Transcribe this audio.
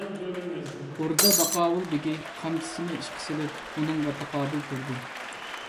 ئوردا باقاۋۇل بېگى قامچىسىنى ئىشقا سېلىپ ئۇنىڭغا تاقابىل تۇردى.